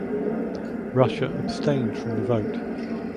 Russia abstained from the vote.